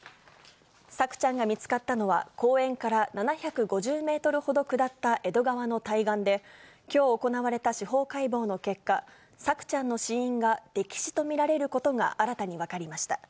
朔ちゃんが見つかったのは、公園から７５０メートルほど下った江戸川の対岸で、きょう行われた司法解剖の結果、朔ちゃんの死因が溺死と見られることが新たに分かりました。